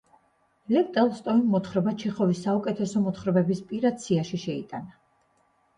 ლევ ტოლსტოიმ მოთხრობა ჩეხოვის საუკეთესო მოთხრობების პირად სიაში შეიტანა.